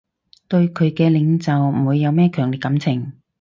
對佢嘅領袖唔會有咩強烈感情